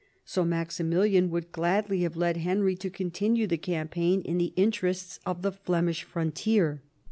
So Maximilian would gladly have led Henry to continue the campaign in the interests of the Flemish frontier.